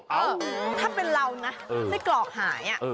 เอ้าถ้าเป็นเรานะไส้กรอกหาย